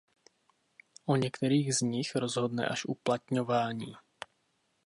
O některých z nich rozhodne až uplatňování.